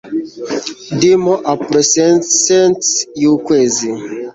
Dim opalescence yukwezi